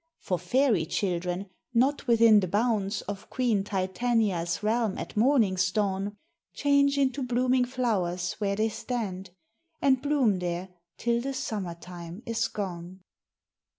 For fairy children, not within the bounds Of Queen Titania's realm at morning's dawn, Change into blooming flowers where they stand, And bloom there till the summer time is gone.